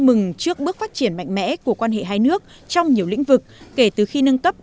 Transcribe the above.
mừng trước bước phát triển mạnh mẽ của quan hệ hai nước trong nhiều lĩnh vực kể từ khi nâng cấp